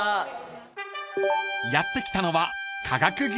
［やって来たのは］